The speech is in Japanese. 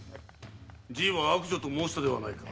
じいは「悪女」と申したではないか？